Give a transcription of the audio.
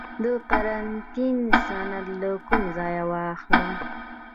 د قرنطین سند له کوم ځای واخلم؟